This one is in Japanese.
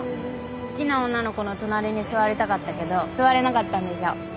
好きな女の子の隣に座りたかったけど座れなかったんでしょ？